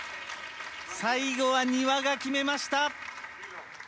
最後は丹羽が決めました。